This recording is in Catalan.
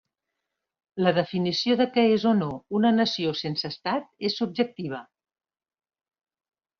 La definició de què és o no una nació sense estat és subjectiva.